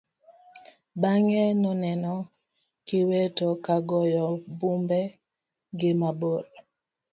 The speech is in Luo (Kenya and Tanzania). Bang'e noneno kiweto ka goyo bumbe gi mabor.